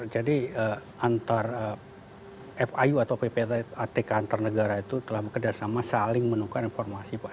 jadi antar fiu atau ppatk antar negara itu telah bekerjasama saling menukar informasi pak